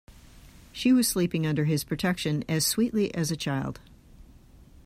She was sleeping under his protection as sweetly as a child.